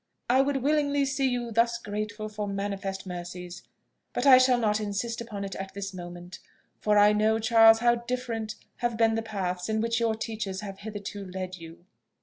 I would willingly see you thus grateful for manifest mercies, but I shall not insist upon it at this moment, for I know, Charles, how different have been the paths in which your teachers have hitherto led you."